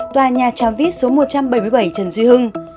tòa nhà tram vít số một trăm bảy mươi bảy trần duy hưng